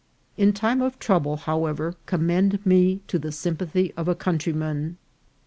In time of trouble, however, com mend me to the sympathy of a countryman.